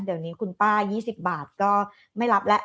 เดี๋ยวนี้คุณป้า๒๐บาทก็ไม่รับแล้ว